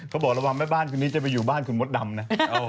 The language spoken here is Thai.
ก็บอกว่าไม่บ้านคืนนี้จะไปอยู่บ้านคืนมดดำนะ